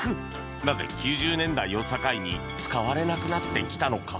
なぜ９０年代を境に使われなくなってきたのか？